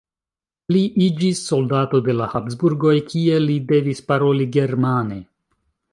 Li iĝis soldato de la Habsburgoj, kie li devis paroli germane.